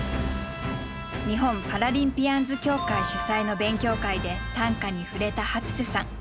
日本パラリンピアンズ協会主催の勉強会で短歌に触れた初瀬さん。